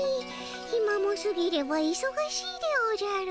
ひまもすぎればいそがしいでおじゃる」。